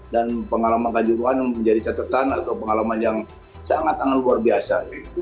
dan pengalaman kejuruhan menjadi catatan atau pengalaman yang sangat luar biasa